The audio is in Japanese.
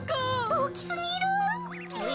おおきすぎる。